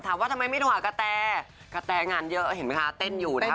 ถามว่าทำไมไม่รู้หากระแทกระแทงานเยอะเห็นไหมคะเต้นอยู่นะคะ